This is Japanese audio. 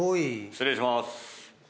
失礼します。